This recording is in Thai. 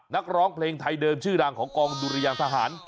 นักร้องเพลงไทยเดิมชื่อดังของกองดุรยางทหาร